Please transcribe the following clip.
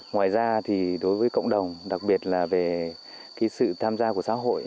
ngoài ra thì đối với cộng đồng đặc biệt là về sự tham gia của xã hội